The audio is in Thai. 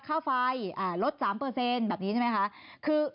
ค่าไฟลด๓แบบนี้ใช่ไหมคะ